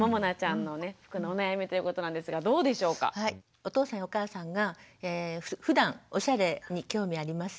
お父さんやお母さんがふだんおしゃれに興味あります？